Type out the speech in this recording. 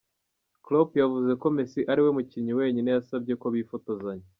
Klopp yavuze ko Messi ariwe mukinnyi wenyine yasabye ko bifotozanya.